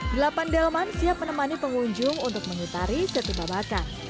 delapan delman siap menemani pengunjung untuk menyetari situ babakan